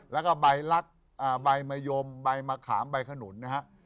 แล้วก็ใบลักษณ์ใบมะยมใบมะขามใบขนุนนะฮะ